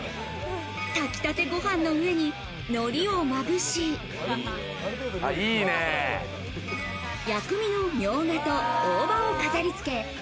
炊きたてご飯の上に海苔をまぶし、薬味のミョウガと大葉を飾り付け。